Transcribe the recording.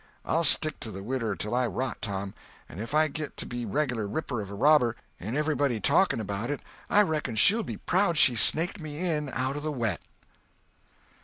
I'll stick to the widder till I rot, Tom; and if I git to be a reg'lar ripper of a robber, and everybody talking 'bout it, I reckon she'll be proud she snaked me in out of the wet."